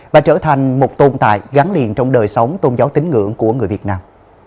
và trở thành một tồn tại gắn liền trong đời sống tôn giáo tính ngưỡng của người việt nam